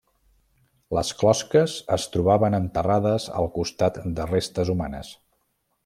Les closques es trobaven enterrades al costat de restes humanes.